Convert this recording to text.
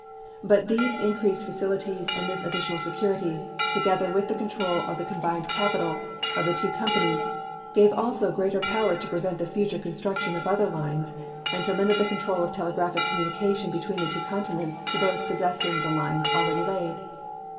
But these increased facilities and this additional security, together with the control of the combined capital of the two companies, gave also greater power to prevent the future construction of other lines and to limit the control of telegraphic communication between the two continents to those possessing the lines already laid.